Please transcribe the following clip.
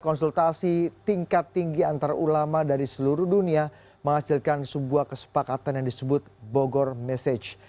konsultasi tingkat tinggi antarulama dari seluruh dunia menghasilkan sebuah kesepakatan yang disebut bogor message